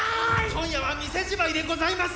今夜は店仕舞いでございます。